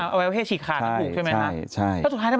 เอาไว้ว่าเช็ดขาญกันถูกใช่ไหม